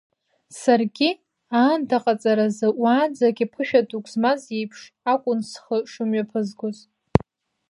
Саргьы аандаҟаҵаразы уаанӡагьы ԥышәа дук змаз иеиԥш акәын схы шымҩаԥызгоз.